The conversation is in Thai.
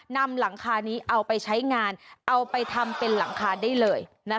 นำหลังคานี้เอาไปใช้งานเอาไปทำเป็นหลังคาได้เลย